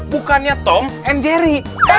bukannya tom and jerry